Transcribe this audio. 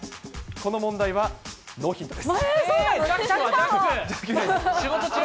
これはノーヒントです。